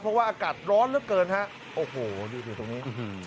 เพราะว่าอากาศร้อนเกินฮะโอ้โหดูดูตรงนี้อืมฮือ